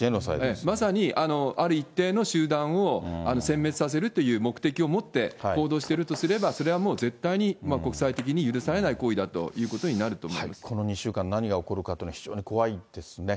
まさにある一定の集団をせん滅させるという目的を持って報道しているとすれば、それはもう絶対に国際的に許されない行為だとこの２週間、何が起こるかっていうのは、怖いですね。